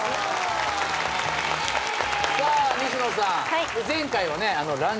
さあ西野さん。